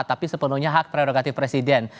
tapi sepenuhnya hak prerogatif presiden